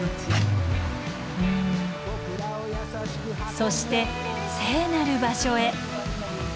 そして聖なる場所へ。